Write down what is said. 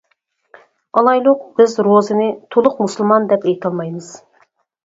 ئالايلۇق، بىز روزىنى تولۇق مۇسۇلمان دەپ ئېيتالمايمىز.